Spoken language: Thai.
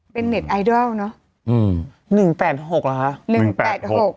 เป็นเน็ตไอดอลเนอะอืมหนึ่งแปดหกเหรอฮะหนึ่งแปดหก